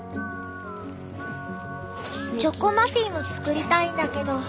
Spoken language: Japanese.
チョコマフィンも作りたいんだけど。